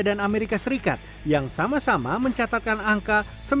dan amerika serikat yang sama sama mencatatkan angka sembilan ratus lima puluh dua